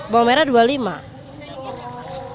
bawang merah rp dua puluh lima